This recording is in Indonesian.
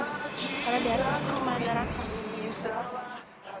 karena di hatiku cuma ada raka